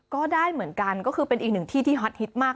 ก็ได้เหมือนกันก็คือเป็นอีกหนึ่งที่ที่ฮอตฮิตมาก